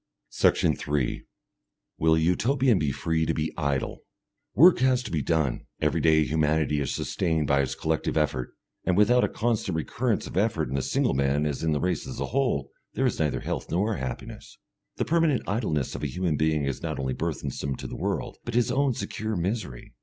Section 3 Will a Utopian be free to be idle? Work has to be done, every day humanity is sustained by its collective effort, and without a constant recurrence of effort in the single man as in the race as a whole, there is neither health nor happiness. The permanent idleness of a human being is not only burthensome to the world, but his own secure misery.